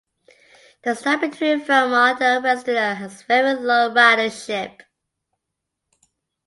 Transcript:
The stub between Vermont and Western has very low ridership.